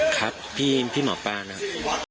ครับพี่หมอป้านะครับ